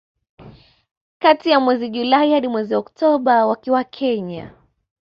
Kati ya mwezi Julai hadi mwezi Oktoba wakiwa Kenya